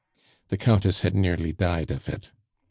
The Countess had nearly died of it.